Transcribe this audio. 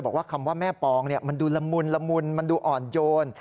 บอกว่าคำว่าแม่ปองมันดูละมุนมันดูอ่อนโยน